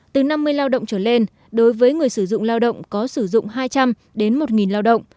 từ năm mươi lao động trở lên đối với người sử dụng lao động có sử dụng hai trăm linh đến một lao động